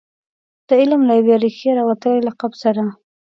د علم له یوې ریښې راوتلي لقب سره.